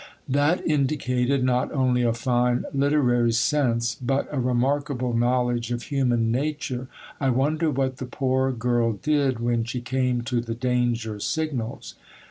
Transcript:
That indicated not only a fine literary sense, but a remarkable knowledge of human nature. I wonder what the poor girl did when she came to the danger signals!